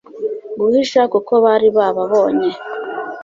guhisha kuko bari bababonye